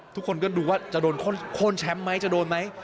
ทุกคนก็ดูว่าจะโดนโค้นแชมป์ไหมจะโดนไหม